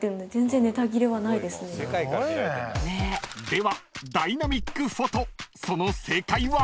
［ではダイナミックフォトその正解は？］